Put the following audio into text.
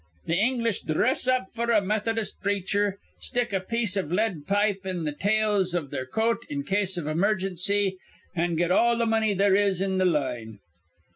Th' English dhress up f'r a Methodist preacher, stick a piece iv lead pipe in th' tails iv their coat in case iv emargency, an' get all th' money there is in th' line.